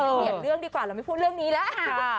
เปลี่ยนเรื่องดีกว่าเราไม่พูดเรื่องนี้แล้วค่ะ